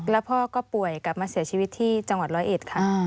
แล้วพ่อก็ป่วยกลับมาเสียชีวิตที่จังหวัดร้อยเอ็ดค่ะ